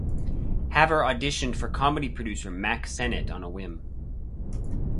Haver auditioned for comedy producer Mack Sennett on a whim.